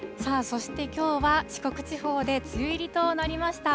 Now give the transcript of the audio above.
そして、きょうは四国地方で梅雨入りとなりました。